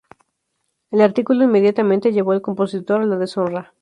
El artículo inmediatamente llevó al compositor a la deshonra.